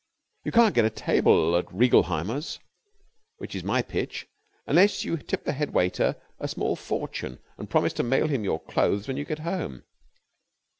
You can't get a table at Reigelheimer's, which is my pitch, unless you tip the head waiter a small fortune and promise to mail him your clothes when you get home.